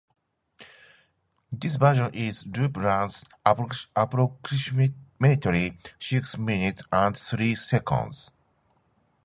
This version's loop runs approximately six minutes and three seconds.